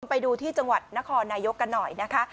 ไปดูที่จังหวัดนครนายกกันหน่อยนะคะ